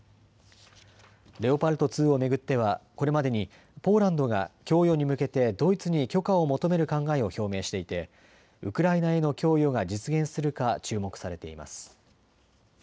レオパルト２を巡ってはこれまでにポーランドが供与に向けてドイツに許可を求める考えを表明していてウクライナへの供与が実現するか注目されています。